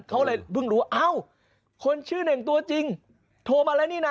เขาเลยเพิ่งรู้เอ้าคนชื่อเน่งตัวจริงโทรมาแล้วนี่นะ